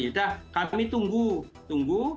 sudah kami tunggu